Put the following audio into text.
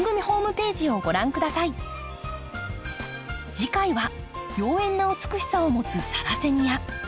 次回は妖艶な美しさを持つ「サラセニア」。